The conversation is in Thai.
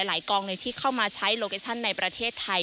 หลายกองที่เข้ามาใช้โลเก็ชชั่นในประเทศไทย